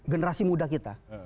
generasi muda kita